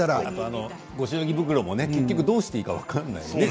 ご祝儀袋もどうしていいのか分からないですよね。